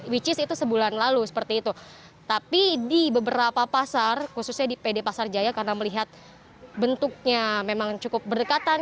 which is itu sebulan lalu seperti itu tapi di beberapa pasar khususnya di pd pasar jaya karena melihat bentuknya memang cukup berdekatan